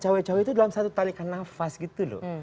cawe cawe itu dalam satu tarikan nafas gitu loh